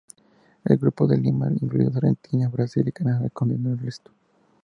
El Grupo de Lima, incluidos Argentina, Brasil y Canadá, condenó el arresto.